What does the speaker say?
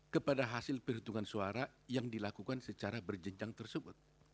kepada hasil perhitungan suara yang dilakukan secara berjenjang tersebut